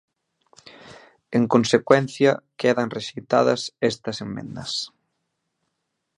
En consecuencia, quedan rexeitadas esta emendas.